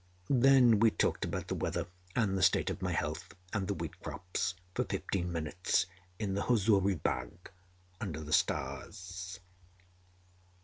Then we talked about the weather and the state of my health, and the wheat crops, for fifteen minutes, in the Huzuri Bagh, under the stars.